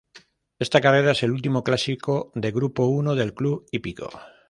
Esta carrera es el último clásico de Grupo I del Club Hípico.